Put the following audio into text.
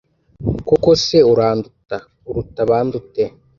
koko se uranduta? uruta abandi ute?